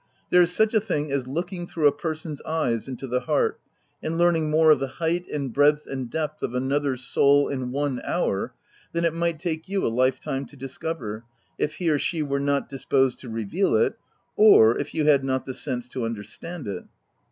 There is such a thing as look ing through a person's eyes into the heart, and learning more of the height, and breadth, and depth of another's soul in one hour, than it might take you a life time to discover, if he or she were not disposed to reveal it, — or if you had not the sense to understand it."